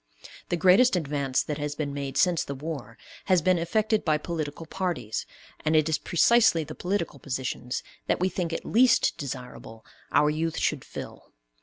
The greatest advance that has been made since the War has been effected by political parties, and it is precisely the political positions that we think it least desirable our youth should fill.